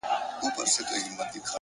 ریښتینی ځواک د ځان کنټرول دی!